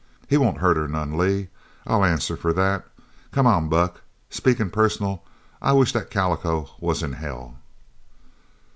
"He won't hurt her none, Lee. I'll answer for that. Come on, Buck. Speakin' personal, I wish that calico was in hell."